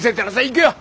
行くよ！